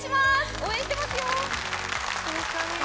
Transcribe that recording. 応援していますよ。